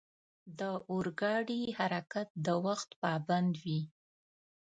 د اورګاډي حرکت د وخت پابند وي.